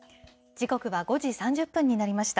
時刻は５時３０分になりました。